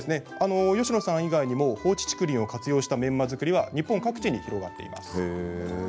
吉野さん以外にも放置竹林を活用したメンマ作りは日本各地に広がっています。